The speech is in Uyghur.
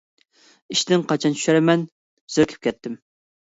ئىشتىن قاچان چۈشەرمەن، زېرىكىپ كەتتىم.